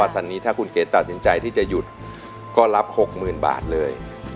ตอนนี้ถ้าคุณเกดตัดสินใจที่จะหยุดก็รับ๖๐๐๐บาทเลย